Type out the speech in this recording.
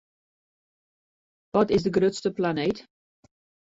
Wat is de grutste planeet?